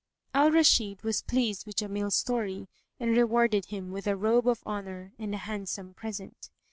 Al Rashid was pleased with Jamil's story and rewarded him with a robe of honour and a handsome present.